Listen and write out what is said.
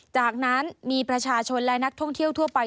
จากนั้นมีประชาชนและนักท่องเที่ยวทั่วไป